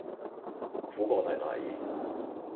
苦過弟弟